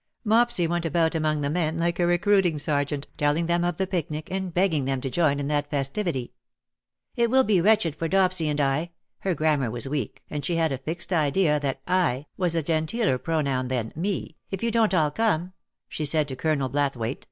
Mopsy went about among the men like a recruiting sergeant, telling them of the picnic, and begging them to join in that festivity. ''It will be wretched for Dopsy andl^^ — her grammar was weak, and she had a fixed idea th^t " I" was a genteeler pronoun than " me," —*' if you don^t all come,"" she said to Colonel Blathwayt.